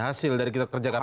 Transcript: hasil dari kita kerja kpk